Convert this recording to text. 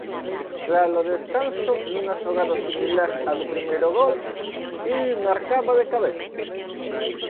Tralo descanso, nunha xogada similar a do primeiro gol, Ivi marcaba de cabeza.